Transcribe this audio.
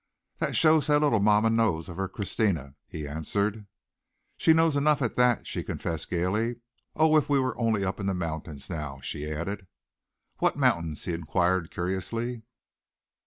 "That shows how little mamma knows of her Christina," he answered. "She knows enough at that," she confessed gaily. "Oh, if we were only up in the mountains now," she added. "What mountains," he inquired curiously.